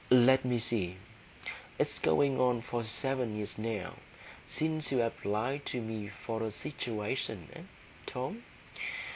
"Let me see,—it's going on for seven years now since you applied to me for a situation, eh, Tom?"